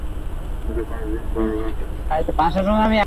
আচ্ছা, পাঁচ দিন ভাববার সময় পাওয়া গেল।